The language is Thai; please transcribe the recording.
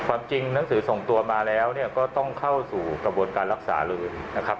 จริงหนังสือส่งตัวมาแล้วก็ต้องเข้าสู่กระบวนการรักษาเลยนะครับ